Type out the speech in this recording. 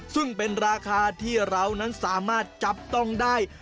ซึ่งเป็นราคาที่เรานั้นสามารถจับต้องได้